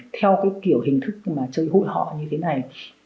theo kiểu hình thức chơi hụi họ như thế này